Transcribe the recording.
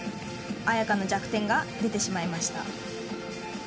彩夏の弱点が出てしまいました。